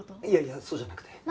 いやいやそうじゃなくて。